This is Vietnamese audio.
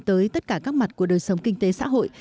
tới tất cả các mặt của đời sống kinh tế xã hội